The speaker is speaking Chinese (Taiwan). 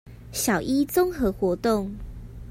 小一綜合活動